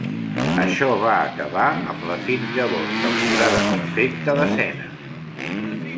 Això va acabar amb la fins llavor temporada perfecta de Senna.